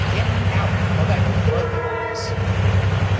Git out o' that grub box!"